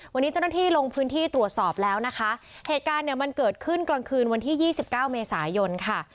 วันนี้เจ้าหน้าที่ลงพื้นที่ตรวจสอบแล้วนะคะเหตุการณ์เนี่ยมันเกิดขึ้นกลางคืนวันที่ยี่สิบเก้าเมษายนค่ะ